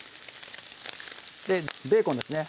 ベーコンですね